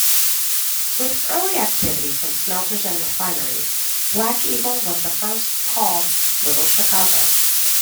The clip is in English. With early activity from smelters and refineries, Black Eagle was first called "Little Chicago".